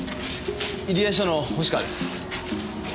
入谷署の星川です。